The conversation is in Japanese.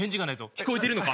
聞こえているのか？